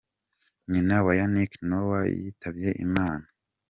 Nyina wa Yannick Noah witabye Imana.